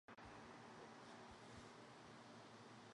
Atlas, Rise!